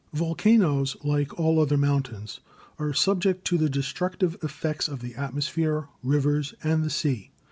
Volcanoes, like all other mountains, are subject to the destructive effects of the atmosphere, rivers, and the sea.